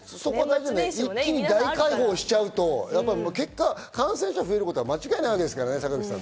一気に大解放しちゃうと、結果、感染者が増えることは間違いないわけですからね、坂口さん。